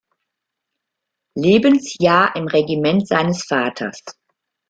Lebensjahr im Regiment seines Vaters.